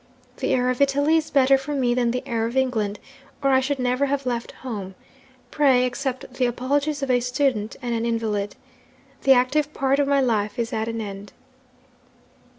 The air of Italy is better for me than the air of England, or I should never have left home. Pray accept the apologies of a student and an invalid. The active part of my life is at an end."